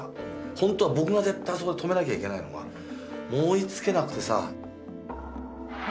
ほんとは僕が絶対あそこで止めなきゃいけないのがもう追いつけなくてさ。